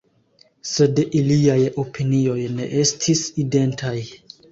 Sed iliaj opinioj ne estis identaj.